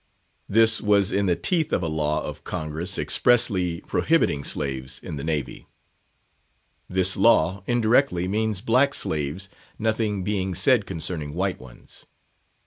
This was in the teeth of a law of Congress expressly prohibiting slaves in the Navy. This law, indirectly, means black slaves, nothing being said concerning white ones.